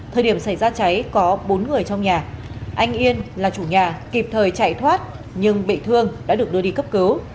thời điểm xảy ra cháy có bốn người trong nhà anh yên là chủ nhà kịp thời chạy thoát nhưng bị thương đã được đưa đi cấp cứu